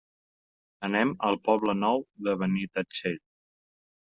Anem al Poble Nou de Benitatxell.